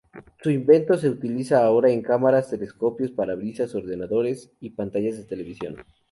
Su invento se utiliza ahora en cámaras, telescopios, parabrisas, ordenadores y pantallas de televisión.